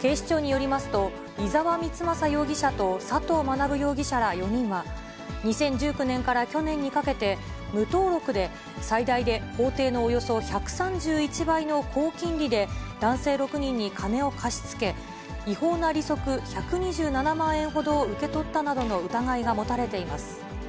警視庁によりますと、居沢光真容疑者と佐藤学容疑者ら４人は、２０１９年から去年にかけて、無登録で最大で法定のおよそ１３１倍の高金利で男性６人に金を貸し付け、違法な利息１２７万円ほどを受け取ったなどの疑いが持たれています。